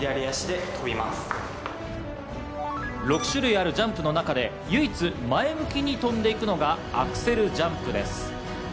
６種類あるジャンプの中で唯一、前向きに跳んでいくのがアクセルジャンプです。